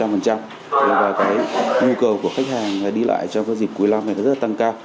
và cái nhu cầu của khách hàng đi lại trong cái dịp cuối năm này rất là tăng cao